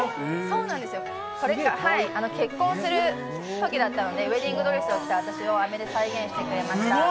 結婚するときだったのでウエディングドレスを着た私をあめで再現してくれました。